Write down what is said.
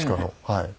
はい。